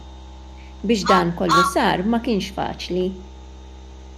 Biex dan kollu sar ma kienx faċli.